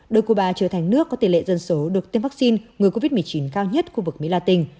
đưa cuba trở thành nước có tỷ lệ dân số được tiêm vaccine ngừa covid một mươi chín cao nhất khu vực mỹ latin